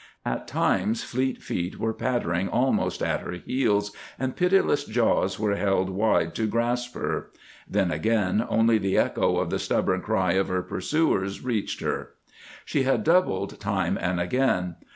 At times fleet feet were pattering almost at her heels, and pitiless jaws were held wide to grasp her; then again only the echo of the stubborn cry of her pursuers reached her. She had doubled time and again.